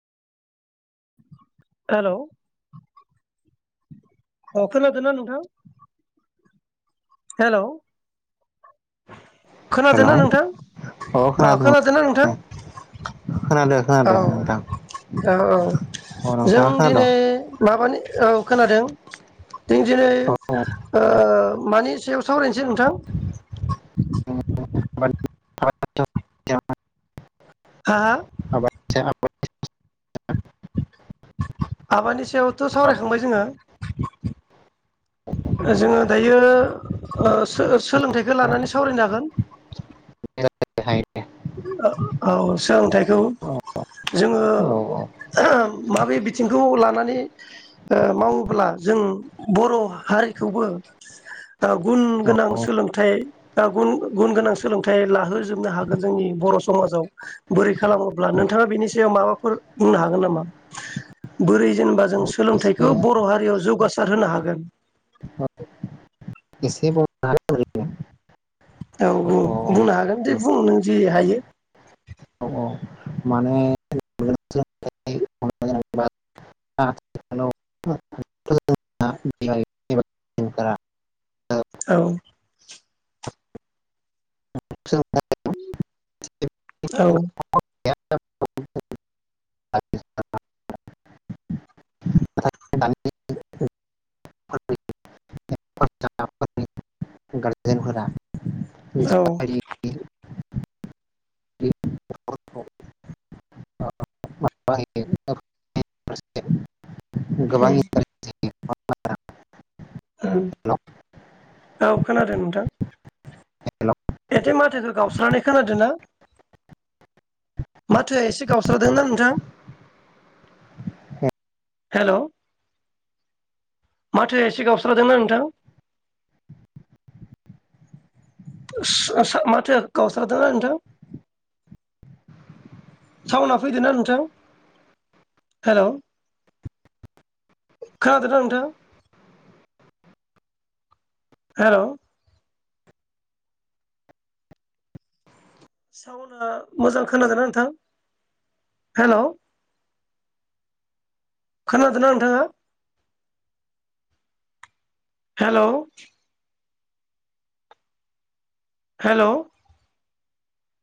हेल' अ खोनादोना नोंथां हेल' हेलौ खोनादोना नोंथां अ ओ खोनादों खोनादोना नोंथां? खोनादो [inaudible] औ खोनादो नोंथां औ औ अ जों नोंथाङा खोनादों दिनै माबानि औ खोनादों जों दिनै औ औ ओ मानि सायाव सावरायनोसै नोंथां? [unintelligible] हा हा [unintelligible] [unintelligible] सायावथ' सावरायखांबाय जोङो जोङो दायो ओ हो सोलोंथाइखौ लानानै सावरायनो हागोन [unintelligible] ओ औ सोलोंथाइखौ जोङो औ माबे बिथिंखौ लानानै ओ मावोब्ला जों बर' हारिखौबो गुन औ गोनां सोलोंथाइ गुन गोनां सोलोंथाइ लाहोजोबनो हागोन जोंनि बर' समाजाव बोरै खालामोब्ला नोंथाङा बिनि सायाव माबाफोर बुंनो हागोन नामा बोरै जेनेबा जों औ एसे सोलोंथाइखौ बर' हारियाव जौगासा हागोन हागोन औ एसेब [unintelligible] औ ओरैनो बुंनो हागोन दे बुं नों जि हायो औ औ माने [unintelligible] औ औ [unintelligible] [unintelligible] [unintelligible] गारजेनफोरा ज औ [unintelligible] [unintelligible] [unintelligible] गोबांनि उम [unintelligible] [unintelligible] औ खोनादों नोंथां हेल' माथो माथोखौ गावस्रानानै खोनादों ना माथोआ एसे गावस्रादोंना नोंथां हेल' माथोआ एसे गावस्रादोंना नोंथां माथो गावसारदोंना नोंथां साउना फैदोंना नोंथां हेल' खोनादोंना नोंथां हेल' साउनआ मोजां खोनादोंना नोंथां? हेल' खोनादोंना नोंथाङा? Hello hello